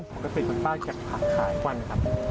หกสิทธิ์ของป๊าจะจัดขายทุกวันนะครับ